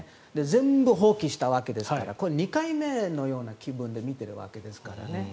全部放棄したわけですから２回目のような気分で見ているわけですからね。